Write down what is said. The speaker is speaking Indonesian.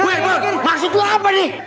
weh boy maksud lo apa nih